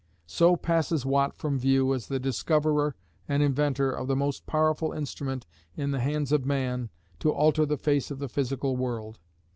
So passes Watt from view as the discoverer and inventor of the "most powerful instrument in the hands of man to alter the face of the physical world."